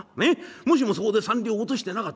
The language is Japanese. もしもそこで三両落としてなかったらよ